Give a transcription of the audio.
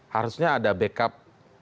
harusnya ada backup